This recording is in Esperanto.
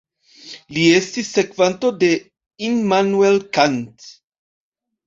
Li estis sekvanto de Immanuel Kant.